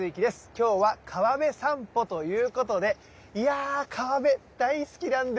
今日は川辺さんぽということでいや川辺大好きなんですよ。